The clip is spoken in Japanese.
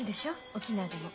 沖縄でも。